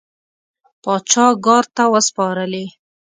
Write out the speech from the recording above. پاچا ګارد ته وسپارلې.